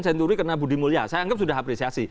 senturi karena budi mulia saya anggap sudah apresiasi